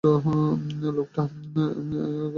লোকটা এত কিছু বলে গেল আপনি কিছুই বললেন না!